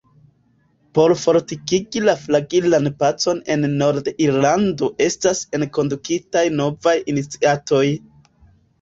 Por fortikigi la fragilan pacon en Nord-Irlando estas enkondukitaj novaj iniciatoj.